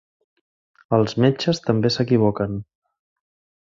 Els metges també s'equivoquen.